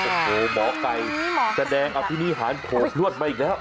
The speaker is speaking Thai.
โอ้โหหมอไก่แสดงอภินิหารโขดพลวดมาอีกแล้ว